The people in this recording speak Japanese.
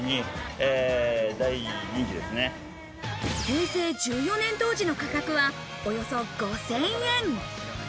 平成１４年当時の価格は、およそ５０００円。